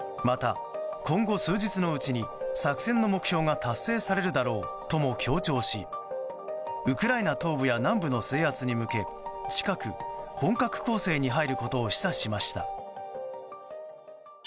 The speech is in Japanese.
また今後数日のうちに作戦の目標が達成されるだろうとも強調し、ウクライナ東部や南部の制圧に向け近く本格攻勢に入ることを示唆しました。